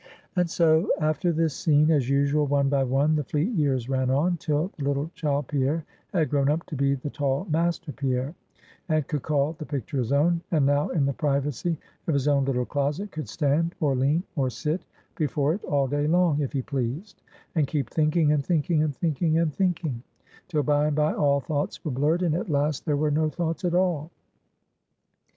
And so, after this scene, as usual, one by one, the fleet years ran on; till the little child Pierre had grown up to be the tall Master Pierre, and could call the picture his own; and now, in the privacy of his own little closet, could stand, or lean, or sit before it all day long, if he pleased, and keep thinking, and thinking, and thinking, and thinking, till by and by all thoughts were blurred, and at last there were no thoughts at all.